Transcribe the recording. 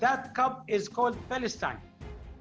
dan cup itu disebut palestina